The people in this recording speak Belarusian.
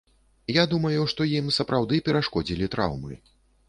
Я думаю, што ім сапраўды перашкодзілі траўмы.